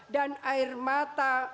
dan air mata